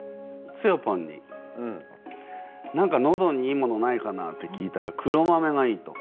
つよぽんに「何かのどにいいものないかな？」って聞いたら黒豆がいいと。